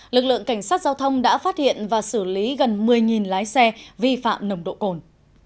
lực lượng cảnh sát giao thông đã phát hiện và xử lý gần một mươi lái xe vi phạm nồng độ cồn